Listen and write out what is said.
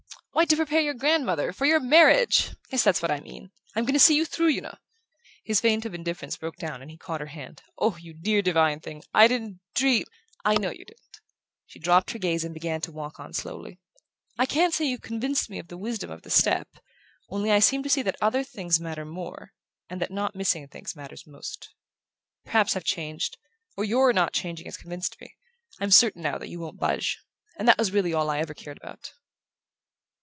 "Why, to prepare your grandmother! For your marriage. Yes, that's what I mean. I'm going to see you through, you know " His feint of indifference broke down and he caught her hand. "Oh, you dear divine thing! I didn't dream " "I know you didn't." She dropped her gaze and began to walk on slowly. "I can't say you've convinced me of the wisdom of the step. Only I seem to see that other things matter more and that not missing things matters most. Perhaps I've changed or YOUR not changing has convinced me. I'm certain now that you won't budge. And that was really all I ever cared about."